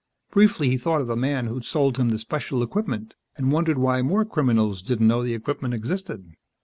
Briefly he thought of the man who'd sold him the special equipment, and wondered why more criminals didn't know the equipment existed.